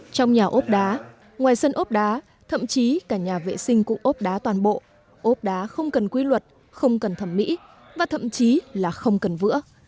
trong nhà ốp đá ngoài sân ốp đá thậm chí cả nhà vệ sinh cũng ốp đá toàn bộ ốp đá không cần quy luật không cần thẩm mỹ và thậm chí là không cần vữa